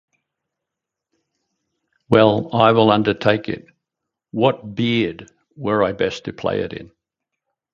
Well, I will undertake it. What beard were I best to play it in?